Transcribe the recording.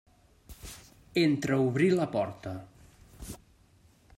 Entreobrí la porta.